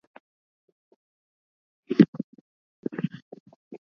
Ninatembelea familia yangu mara moja kwa mwaka